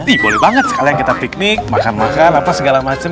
ini boleh banget sekalian kita piknik makan makan apa segala macem